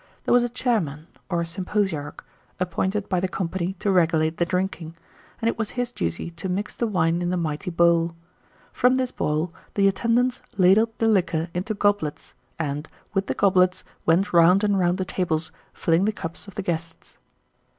There was a chairman, or symposiarch, appointed by the company to regulate the drinking; and it was his duty to mix the wine in the "mighty bowl." From this bowl the attendants ladled the liquor into goblets, and, with the goblets, went round and round the tables, filling the cups of the guests.